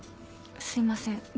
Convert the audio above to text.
すいません。